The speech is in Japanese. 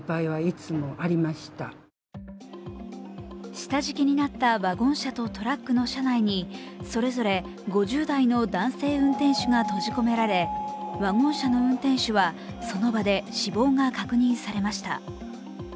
下敷きになったワゴン車とトラックの車内にそれぞれ５０代の男性運転手が閉じ込められ、ワゴン車の運転手はその場で死亡が確認されました。